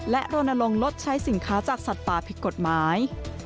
และโรนลงลดใช้สินค้าจากสัตว์ป่าผิดกฎหมาย